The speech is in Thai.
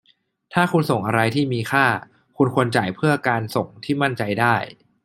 ถ้าคุณส่งอะไรที่มีค่า คุณควรจ่ายเพื่อการส่งที่มั่นใจได้